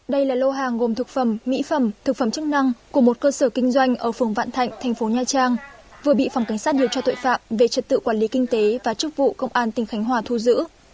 đây là lô hàng gồm thực phẩm mỹ phẩm thực phẩm chức năng của một cơ sở kinh doanh ở phường vạn thạnh thành phố nha trang vừa bị phòng cảnh sát điều tra tội phạm về trật tự quản lý kinh tế và chức vụ công an tỉnh khánh hòa thu giữ